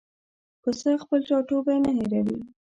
پسه خپل ټاټوبی نه هېروي.